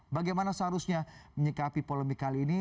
bagaimana seharusnya menyikapi polemik kali ini